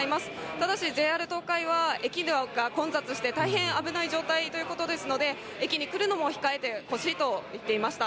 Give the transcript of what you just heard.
ただし、ＪＲ東海は、駅が混雑して大変危ない状態ということですので、駅に来るのも控えてほしいと言っていました。